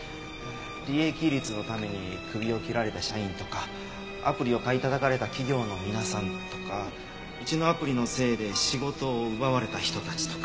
利益率のために首を切られた社員とかアプリを買い叩かれた企業の皆さんとかうちのアプリのせいで仕事を奪われた人たちとか。